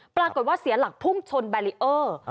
ปรากฏว่าเสียหลักพุ่งชนแบรีเออร์